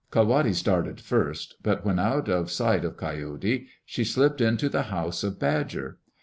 Ka wate started first, but when out of sight of Coyots, she slipped into the house of Badger.